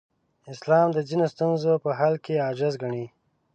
اسلام د ځینو ستونزو په حل کې عاجز ګڼي.